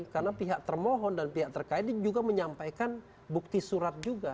karena pihak termohon dan pihak terkait juga menyampaikan bukti surat juga